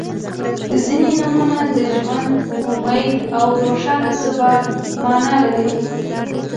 • ځینې نومونه د ژوند، امید او روښانه سبا معنا لري.